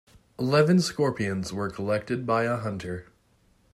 Eleven scorpions were collected by a hunter.